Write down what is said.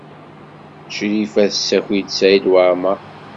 Crifa tessaki-d Saɛid Waɛmaṛ.